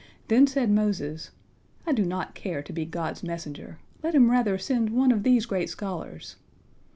Then said Moses: "I do not care to be God's messenger. Let Him rather send one of these great scholars."